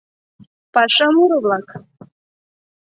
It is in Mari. ПАША МУРО-ВЛАК.